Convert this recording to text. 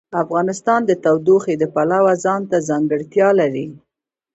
افغانستان د تودوخه د پلوه ځانته ځانګړتیا لري.